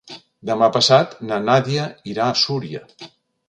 Demà passat na Nàdia irà a Súria.